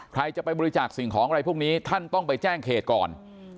ใครจะไปบริจาคสิ่งของอะไรพวกนี้ท่านต้องไปแจ้งเขตก่อน